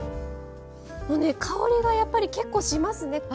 香りがやっぱり結構しますね。